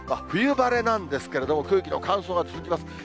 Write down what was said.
冬晴れなんですけれども、空気の乾燥が続きます。